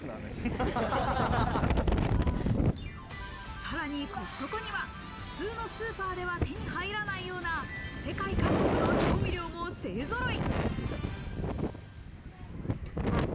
さらにコストコには、普通のスーパーでは手に入らないような世界各国の調味料も勢ぞろい。